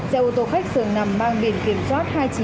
xe ô tô khách xưởng nằm mang biển kiểm soát